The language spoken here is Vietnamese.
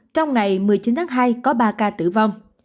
trong ngày một mươi chín tháng hai có ba ca tử vong